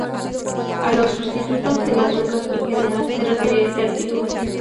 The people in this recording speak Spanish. A los sustitutos del azúcar en general se refiere este artículo.